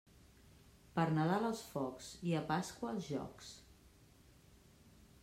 Per Nadal els focs i a Pasqua els jocs.